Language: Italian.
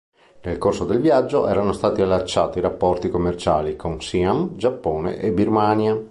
Nel corso del viaggio erano stati allacciati rapporti commerciali con Siam, Giappone e Birmania.